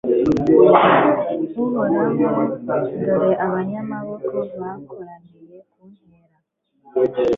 Uhoraho dore abanyamaboko bakoraniye kuntera